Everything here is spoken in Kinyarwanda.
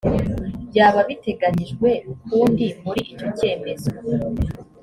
byaba biteganyijwe ukundi muri icyo cyemezo